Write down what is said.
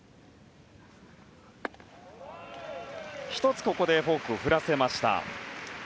１つ、ここでフォークを振らせました。